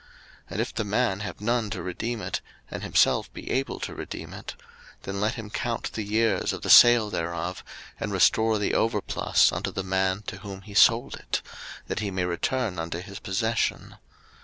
03:025:026 And if the man have none to redeem it, and himself be able to redeem it; 03:025:027 Then let him count the years of the sale thereof, and restore the overplus unto the man to whom he sold it; that he may return unto his possession.